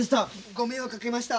ご迷惑かけました。